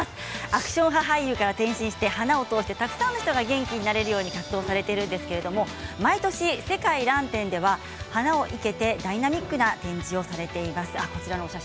アクション派俳優から転身して花を通してたくさんの人が元気になれるように活動されているんですけれども毎年、世界らん展では花を生けてダイナミックな展示をされています。